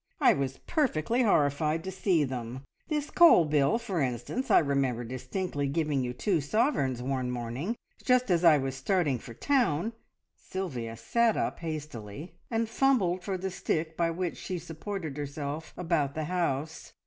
I was perfectly horrified to see them. This coal bill, for instance, I remember distinctly giving you two sovereigns one morning just as I was starting for town " Sylvia sat up hastily and fumbled for the stick by which she supported herself about the house.